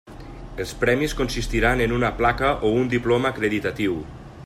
Els premis consistiran en una placa o un diploma acreditatiu.